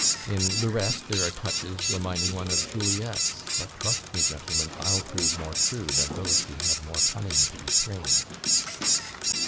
In the rest there are touches reminding one of Juliet's "But trust me, gentleman, I'll prove more true, Than those that have more cunning to be strange."